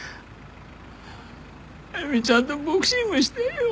歩ちゃんとボクシングしてえよ。